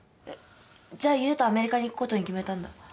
えっ？じゃあ優とアメリカに行くことに決めたんだ？